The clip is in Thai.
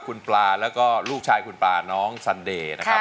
คุณปลาแล้วก็ลูกชายคุณปลาน้องซันเดย์นะครับ